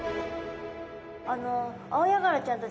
あのアオヤガラちゃんたち